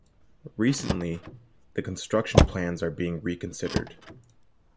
Recently, the construction plans are being reconsidered.